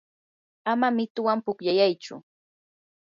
ama mituwan pukllayaychu.